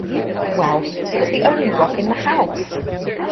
Well, it was the only rock in the house!